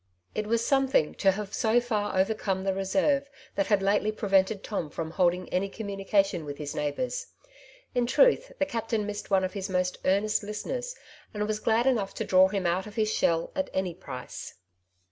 '' It was something to have so far overcome the re serve that liad lately prevented Tom from holding any communication with his neighbours. In truth, the captain missed one of his most earnest listeners, and was glad enough to draw him out of his shell at 154 " Two Sides to every Question^ any price.